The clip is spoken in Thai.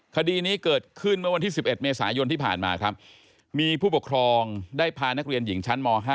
คดีนี้เกิดขึ้นเมื่อวันที่๑๑เมษายนที่ผ่านมาครับมีผู้ปกครองได้พานักเรียนหญิงชั้นม๕